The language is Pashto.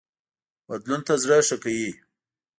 بدلون ته زړه ښه کوي